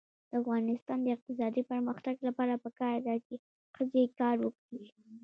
د افغانستان د اقتصادي پرمختګ لپاره پکار ده چې ښځې کار وکړي.